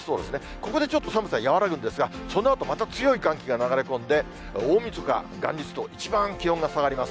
ここでちょっと寒さ和らぐんですが、そのあとまた強い寒気が流れ込んで、大みそか、元日と一番気温が下がります。